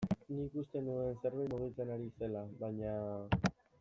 Nik uste nuen zerbait mugitzen ari zela, baina...